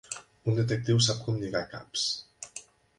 Un detectiu sap com lligar caps.